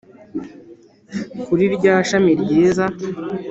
kuri rya shami ryiza’